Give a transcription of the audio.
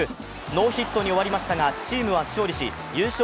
ノーヒットに終わりましたがチームは勝利し優勝